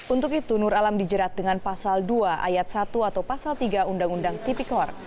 untuk itu nur alam dijerat dengan pasal dua ayat satu atau pasal tiga undang undang tipikor